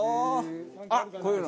あっこういうの！